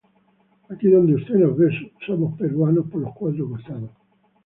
Aquí donde usted nos ve, somos peruanos por los cuatro costados.